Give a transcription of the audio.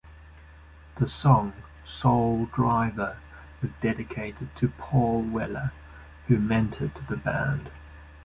The song "Soul Driver" is dedicated to Paul Weller, who mentored the band.